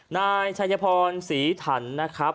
นายชัยพรศรีถันนะครับ